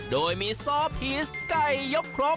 โดยมีซอสฮีสไก่ยกครก